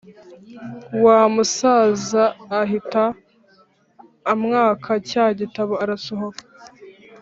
wamusaza ahta amwaka cya gitabo arasohoka